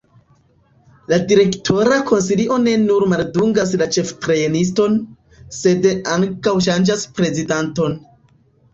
La direktora konsilio ne nur maldungas la ĉeftrejniston, sed ankaŭ ŝanĝas prezidanton.